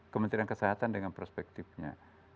kementerian kesehatan dengan perspektifnya